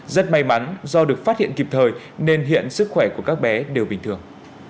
rất may mắn do được phát hiện kịp thời nên hiện sức khỏe của các bé đều bình thường